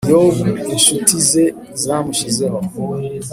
yobu inshuti ze zamushizeho